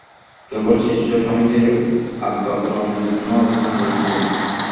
কেবল শিষ্য স্বামীজীর আজ্ঞাপালনের জন্য অবস্থান করিতেছে।